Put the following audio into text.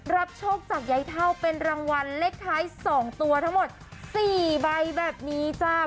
โชคจากยายเท่าเป็นรางวัลเลขท้าย๒ตัวทั้งหมด๔ใบแบบนี้จ้า